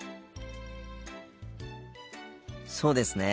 そうですね。